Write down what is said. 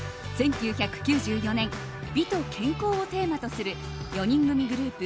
１９９４年美と健康をテーマとする４人組グループ